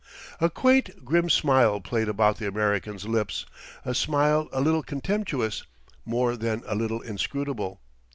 A quaint, grim smile played about the American's lips, a smile a little contemptuous, more than a little inscrutable.